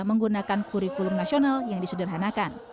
menggunakan kurikulum nasional yang disederhanakan